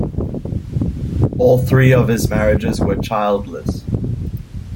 All three of his marriages were childless.